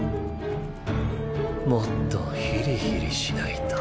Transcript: もっとヒリヒリしないと。